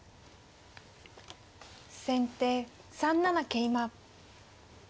先手３七桂馬。